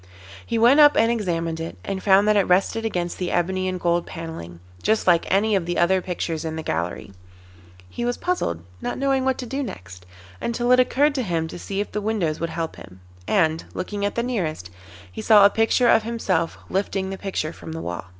He went up and examined it, and found that it rested against the ebony and gold panelling, just like any of the other pictures in the gallery. He was puzzled, not knowing what to do next, until it occurred to him to see if the windows would help him, and, looking at the nearest, he saw a picture of himself lifting the picture from the wall.